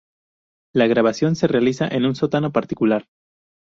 La grabación se realiza en un sótano particular.